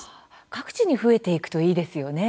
各地に増えていくといいですよね。